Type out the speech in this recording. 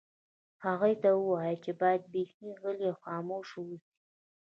هغوی ته ووایه چې باید بیخي غلي او خاموشه واوسي